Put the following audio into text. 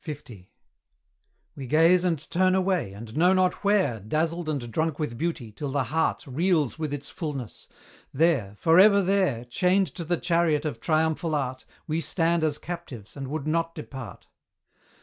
We gaze and turn away, and know not where, Dazzled and drunk with beauty, till the heart Reels with its fulness; there for ever there Chained to the chariot of triumphal Art, We stand as captives, and would not depart.